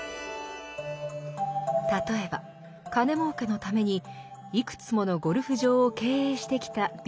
例えば金もうけのためにいくつものゴルフ場を経営してきたビジネスマン。